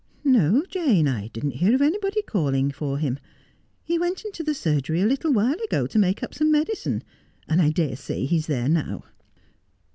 'No, Jane, I didn't hear of anybody calling for him. He 252 Just as I Am. went into the surgery a little while ago to make up some medicine, and I dare say he's there now.'